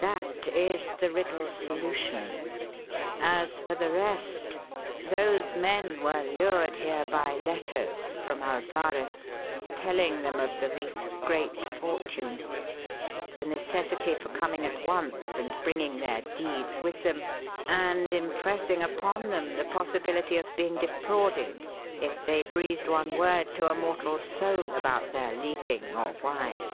That is the riddle's solution. As for the rest, those men were lured here by letters from Alvarez telling them of the reef's great fortune, of the necessity for coming at once and bringing their deeds with them, and impressing upon them the possibility of being defrauded if they breathed one word to a mortal soul about their leaving or why.